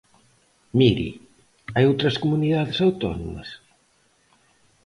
Mire, ¿hai outras comunidades autónomas?